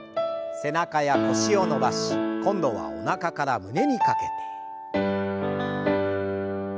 背中や腰を伸ばし今度はおなかから胸にかけて。